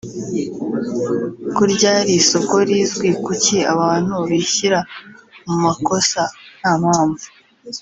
ko ryari isoko rizwi kuki abantu bishyira mu makosa nta mpamvu